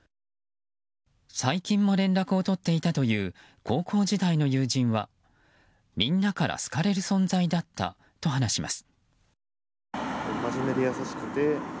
最近も連絡を取っていたという高校時代の友人はみんなから好かれる存在だったと話します。